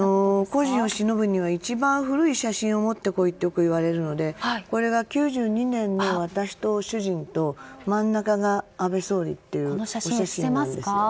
故人を偲ぶには一番古い写真を持って来いとよくいわれるのでこれが９２年の、私と主人と真ん中が安倍総理という写真です。